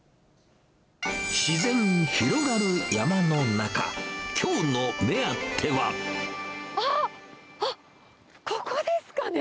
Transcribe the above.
自然広がる山の中、きょうのあっ、あっ、ここですかね。